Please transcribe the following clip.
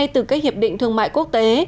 từ các hiệp định thương mại quốc tế